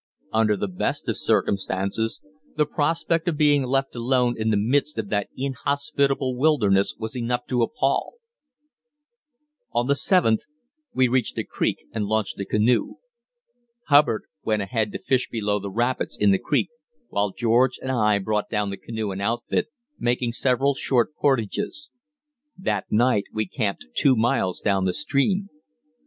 Under the best of circumstances, the prospect of being left alone in the midst of that inhospitable wilderness was enough to appal. On the 7th we reached a creek, and launched the canoe. Hubbard went ahead to fish below the rapids in the creek while George and I brought down the canoe and outfit, making several short portages. That night we camped two miles down the stream.